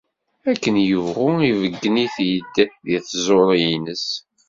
Akken yebɣu ibeyyen-it-id di tẓuri-ines.